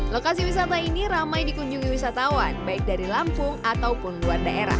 lokasi wisata ini ramai dikunjungi wisatawan baik dari lampung ataupun luar daerah